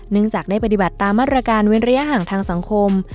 จากได้ปฏิบัติตามมาตรการเว้นระยะห่างทางสังคม